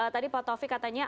tadi pak taufik katanya